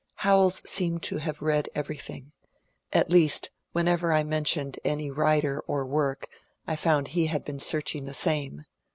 Howells seemed to have read everything. At least, whenever I mentioned any writer or work I found he had been searching the same.